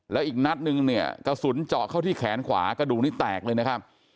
แล้วอีกนัดนึงเนี่ยกระสุนเจาะเข้าที่แขนขวากระดูกนี้แตกเลยนะครับ